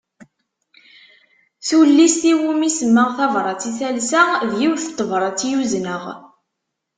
Tullist iwumi semmaɣ Tabrat i talsa, d yiwet n tebrat i uzneɣ.